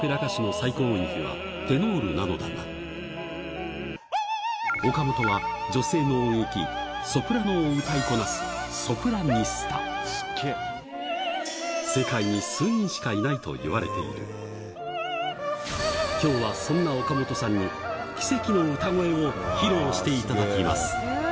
最高音域はテノールなのだが岡本は女性の音域ソプラノを歌いこなす世界に数人しかいないといわれている今日はそんな岡本さんに奇跡の歌声を披露していただきます